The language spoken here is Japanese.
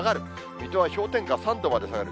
水戸は氷点下３度まで下がる。